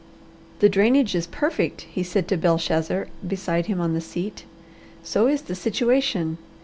"The drainage is perfect," he said to Belshazzar beside him on the seat. "So is the situation.